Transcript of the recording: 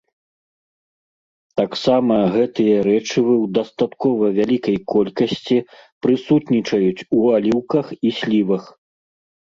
Таксама гэтыя рэчывы ў дастаткова вялікай колькасці прысутнічаюць у аліўках і слівах.